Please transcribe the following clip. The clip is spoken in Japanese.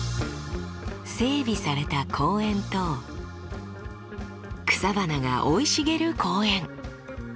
整備された公園と草花が生い茂る公園。